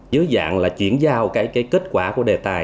dưới dạng là chuyển giao cái kết quả của đề tài